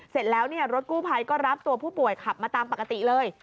เสร็จแล้วเนี่ยรถกู้ภัยก็รับตัวผู้ป่วยขับมาตามปกติเลย